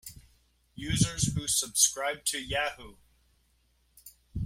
Users who subscribed to Yahoo!